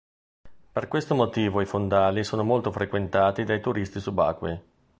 Per questo motivo i fondali sono molto frequentati dai turisti subacquei.